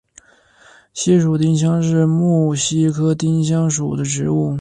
西蜀丁香是木犀科丁香属的植物。